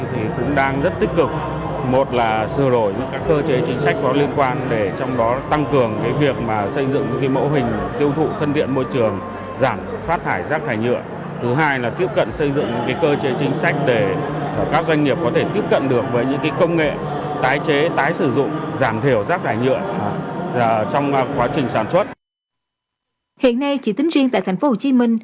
hiện nay chỉ tính riêng tại thành phố hồ chí minh